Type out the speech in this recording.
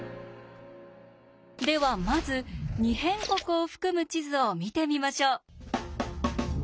ではまず「二辺国」を含む地図を見てみましょう。